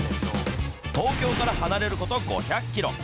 東京から離れること５００キロ。